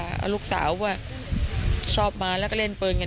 พอลูกเขยกลับเข้าบ้านไปพร้อมกับหลานได้ยินเสียงปืนเลยนะคะ